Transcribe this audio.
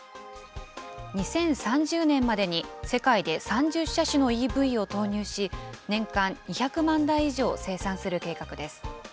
２０３０年までに世界で３０車種のＥＶを投入し、年間２００万台以上生産する計画です。